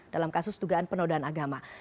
dalam kasus dugaan penodaan agama